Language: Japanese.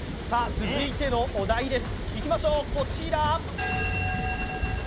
続いてのお題です。